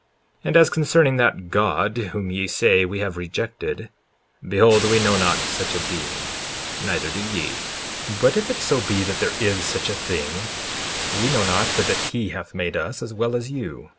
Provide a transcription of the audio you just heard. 54:21 And as concerning that God whom ye say we have rejected, behold, we know not such a being; neither do ye; but if it so be that there is such a thing, we know not but that he hath made us as well as you.